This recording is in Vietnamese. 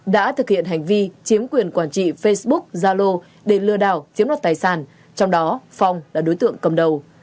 đã thực hiện hành vi chiếm quyền quản trị facebook zalo để lừa đảo chiếm đoạt tài sản trong đó phong là đối tượng cầm đầu